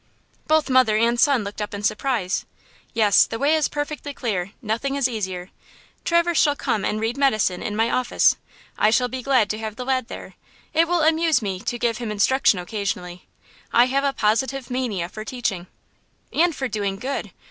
Both mother and son looked up in surprise. "Yes, the way is perfectly clear! Nothing is easier! Traverse shall come and read medicine in my office! I shall be glad to have the lad there. It will amuse me to give him instruction occasionally. I have a positive mania for teaching!" "And for doing good!